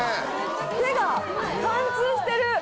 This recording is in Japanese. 手が貫通してる。